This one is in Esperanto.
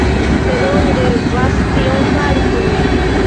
Sed oni devas tion fari tuj!